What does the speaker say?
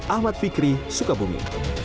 ahmad fikri sukabumi